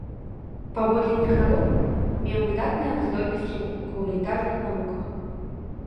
Паводле некралогу меў выдатныя здольнасці ў гуманітарных навуках.